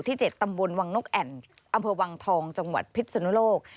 ๗ตำบลวังนกแอ่นอำเภอวังทองจังหวัดพิษนุโลก